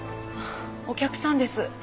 お客さんです。